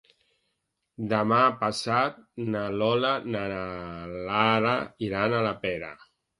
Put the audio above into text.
Demà passat na Lola i na Lara iran a la Pera.